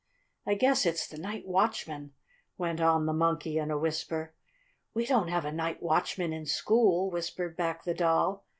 "I guess it's the night watchman," went on the Monkey in a whisper. "We don't have a night watchman in school," whispered back the Doll.